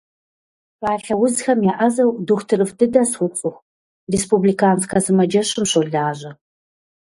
Шхалъэ узхэм еӏэзэу дохутырыфӏ дыдэ соцӏыху, республиканскэ сымаджэщым щолажьэ.